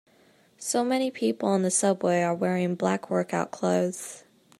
So many people on the subway are wearing black workout clothes.